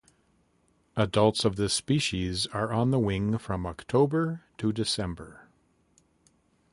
Adults of this species are on the wing from October to December.